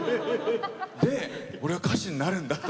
で俺は歌手になるんだと。